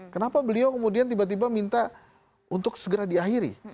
kenapa beliau kemudian tiba tiba minta untuk segera diakhiri